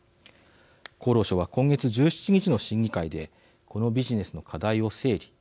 厚労省は今月１７日の審議会でこのビジネスの課題を整理。